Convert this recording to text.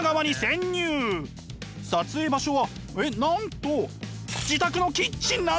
撮影場所はえっなんと自宅のキッチンなんです！